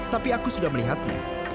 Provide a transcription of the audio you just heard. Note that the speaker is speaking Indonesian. tapi aku sudah melihatnya